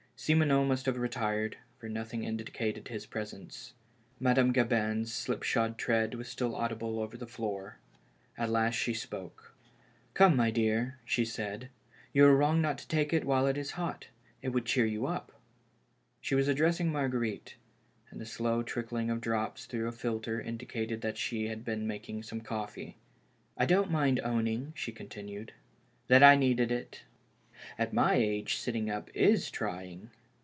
Simoneau must have retired, for nothing indicated his presence. Madame Gabin's slipshod tread was still audible over the floor. At last she spoke. "Come, my dear,'^ she said. "You are wTong not to take it while it is hot. It would cheer you up." She was addi'essing Marguerite, and the slow trickling of drops through a filter indicated that she had been making some coffee. " I don't mind owning," she continued, " that I needed it. At my age sitting up is trying.